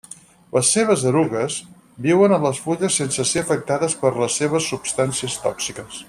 Les seves erugues viuen a les fulles sense ser afectades per les seves substàncies tòxiques.